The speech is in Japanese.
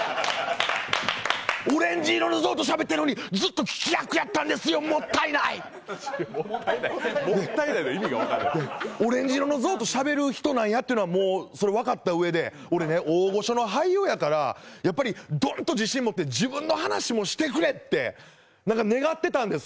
オレンジ色の象としゃべってるのにずっと聞き役やったんですよ、もったいない！オレンジ色の象としゃべる人なんやというのは分かった上で俺ね、大御所の俳優だから、やっぱりドンと自信を持って自分の話もしてくれって願ってたんです。